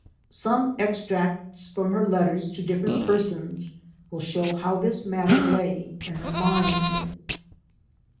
Some extracts, from her letters to different per sons, wiU show how this matter lay in her mind.